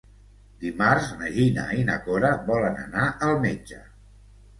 Dimarts na Gina i na Cora volen anar al metge.